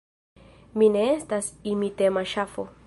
Mi ne estas imitema ŝafo.